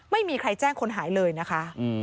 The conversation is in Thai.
ไม่มีใครแจ้งคนหายเลยนะคะ